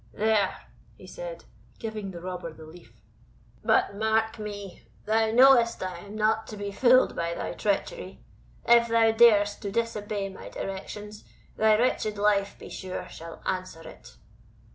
"There," he said, giving the robber the leaf "But, mark me; thou knowest I am not to be fooled by thy treachery; if thou darest to disobey my directions, thy wretched life, be sure, shall answer it."